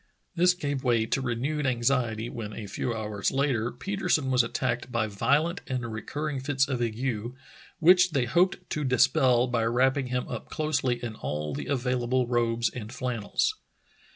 This gave way to renewed anxiety when a few hours later Petersen was attacked by violent and recurring The Saving of Petersen 227 fits of ague, which they hoped to dispel by wrapping him up closely in all the available robes and flannels.